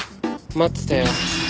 待ってたよ。